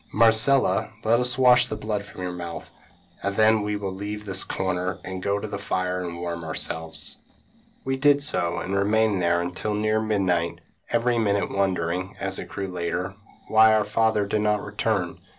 Marcella, let us wash the blood from your mouth, and then we will leave this corner, and go to the fire and warm ourselves.' "We did so, and remained there until near midnight, every minute wondering, as it grew later, why our father did not return.